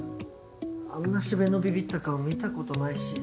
あんな四部のビビった顔見た事ないし。